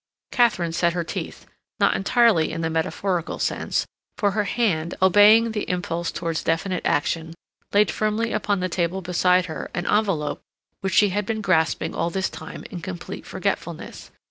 Katharine set her teeth, not entirely in the metaphorical sense, for her hand, obeying the impulse towards definite action, laid firmly upon the table beside her an envelope which she had been grasping all this time in complete forgetfulness.